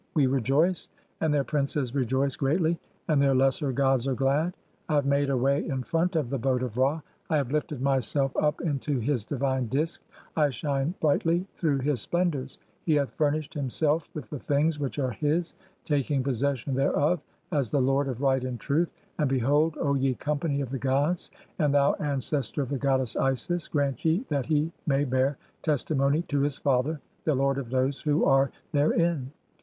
We rejoice, and their princes rejoice greatly, and their 'lesser gods (?) are glad. I have made a (6) way in front of 'the boat of Ra, I have lifted myself up into his divine Disk, 'I shine brightly through his splendours ; he hath furnished 'himself with the things which are his, taking possession thereof 'as the lord of right and truth. (7) And behold, O ye company 'of the gods, and thou ancestor of the goddess Isis, * grant ye 'that he may bear testimony to his father, the lord of those 'who are therein.